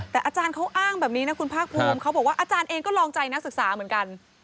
แต่อาจารย์เขาอ้างแบบนี้นะคุณภาคภูมิเขาบอกว่าอาจารย์เองก็ลองใจนักศึกษาเหมือนกัน